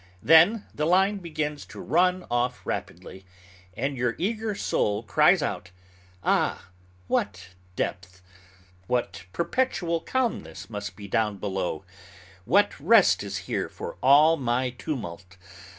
Then the line begins to run off rapidly, and your eager soul cries out, "Ah! what depth! What perpetual calmness must be down below! What rest is here for all my tumult!